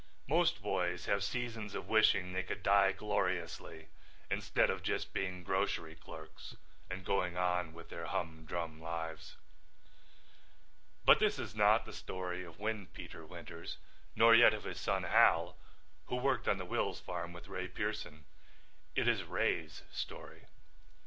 Most boys have seasons of wishing they could die gloriously instead of just being grocery clerks and going on with their humdrum lives. But this is not the story of Windpeter Winters nor yet of his son Hal who worked on the Wills farm with Ray Pearson. It is Ray's story.